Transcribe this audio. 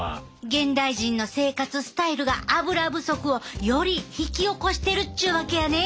現代人の生活スタイルがアブラ不足をより引き起こしてるっちゅうわけやね。